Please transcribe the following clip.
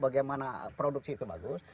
bagaimana produksi itu bagus